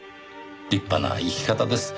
立派な生き方です。